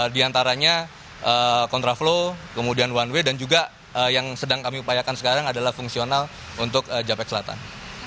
di antaranya kontraflow kemudian one way dan juga yang sedang kami upayakan sekarang adalah fungsional untuk japek selatan